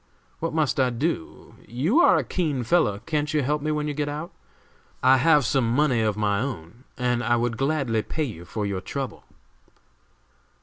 What must I do? You are a keen fellow; can't you help me when you get out? I have some money of my own, and I would gladly pay you for your trouble."